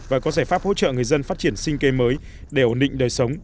và có giải pháp hỗ trợ người dân phát triển sinh cây mới để ổn định đời sống